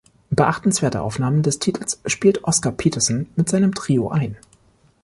Beachtenswerte Aufnahmen des Titels spielte Oscar Peterson mit seinem Trio ein.